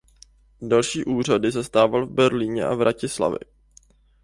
Další úřady zastával v Berlíně a Vratislavi.